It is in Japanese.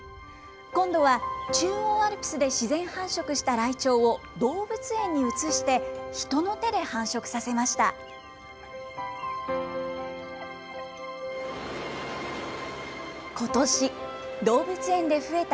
今度は中央アルプスで自然繁殖したライチョウを動物園に移して、人の手で繁殖させました。